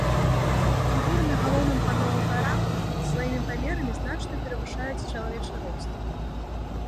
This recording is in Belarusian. Фігуры на галоўным пано алтара сваімі памерамі значна перавышаюць чалавечы рост.